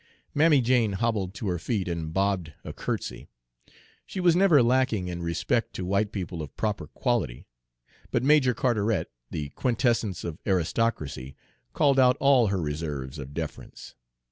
Mammy Jane hobbled to her feet and bobbed a curtsy. She was never lacking in respect to white people of proper quality; but Major Carteret, the quintessence of aristocracy, called out all her reserves of deference.